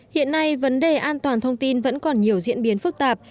hiện nay vấn đề an toàn thông tin vẫn còn nhiều diễn biến phức tạp